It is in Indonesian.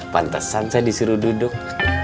pantesan saya disuruh duduk